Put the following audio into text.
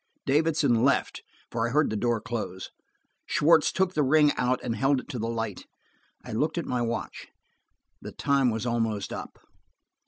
Davidson left, for I heard the door close. Schwartz took the ring out and held it to the light. I looked at my watch. The time was almost up.